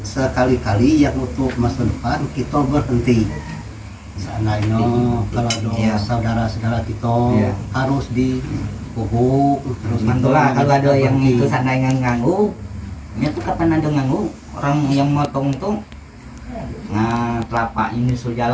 sekali kali yang untuk mas lepan